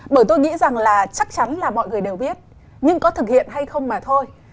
bởi tôi nghĩ rằng là chắc chắn là mọi người đều biết nhưng có thực hiện hay không mà thôi